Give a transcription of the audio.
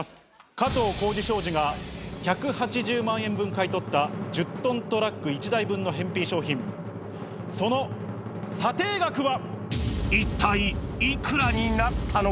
加藤浩次商事が１８０万円分買い取った１０トントラック１台分の返品商品、その査定額は。